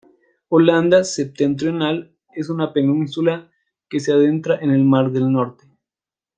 Holanda Septentrional es una península que se adentra en el mar del Norte.